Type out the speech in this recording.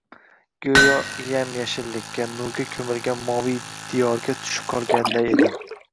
Goʻyo yam-yashillikka, nurga koʻmilgan moviy diyorga tushib qolganday edim.